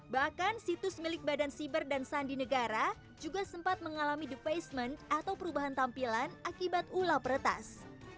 bahkan situs milik badan siber dan sandi negara juga sempat mengalami defacement atau perubahan tampilan akibat ula peretas